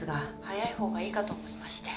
早い方がいいかと思いまして。